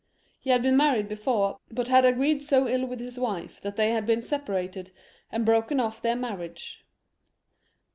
He had been married before, but had agreed so ill with his wife that they had been separated and broken off their marriage.